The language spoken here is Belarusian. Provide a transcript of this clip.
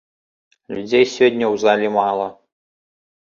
Людзей сёння ў зале мала.